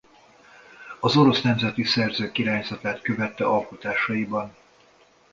Az orosz nemzeti zeneszerzők irányzatát követte alkotásaiban.